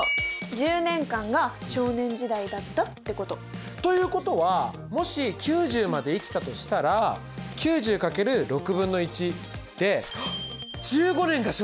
１０年間が少年時代だったってこと。ということはもし９０まで生きたとしたら９０×で１５年が少年時代！